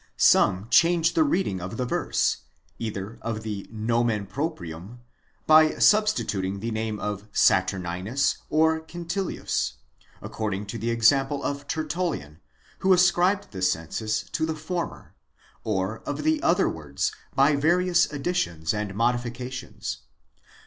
17 Some change the reading of the verse; either of the omen proprium, by substituting the name of Saturninus or Quintilius,1* according to the example of Tertullian, who ascribed the census to the former *; or of the other words, by various additions and modifications.